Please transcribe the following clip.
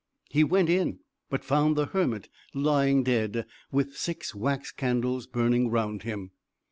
He went in; but found the hermit lying dead, with six wax candles burning around him.